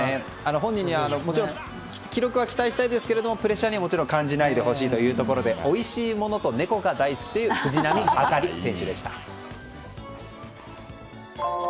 本人ももちろん記録は期待していますがプレッシャーを感じてほしくないというところでおいしいものと猫が大好きという藤波朱理選手でした。